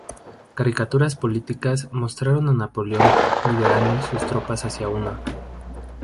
Caricaturas políticas mostraron a Napoleón liderando sus tropas hacia una.